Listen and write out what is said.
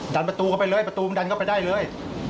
ดันประตูเข้าไปเลยประตูมันดันเข้าไปได้เลย